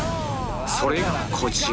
それがこちら